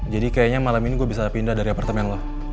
kayaknya malam ini gue bisa pindah dari apartemen lo